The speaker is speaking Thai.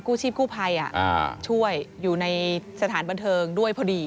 ชีพกู้ภัยช่วยอยู่ในสถานบันเทิงด้วยพอดี